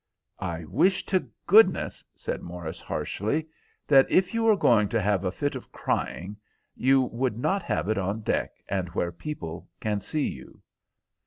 "I wish to goodness," said Morris, harshly, "that if you are going to have a fit of crying you would not have it on deck, and where people can see you."